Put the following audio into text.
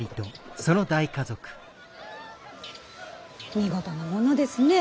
見事なものですね。